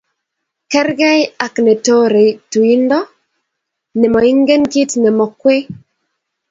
Kerkei ak ne torei tuindo nemoingen kit nemwokei